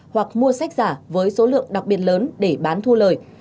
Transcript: hoặc mua sách giả với số lượng đặc biệt lớn để bán thu lời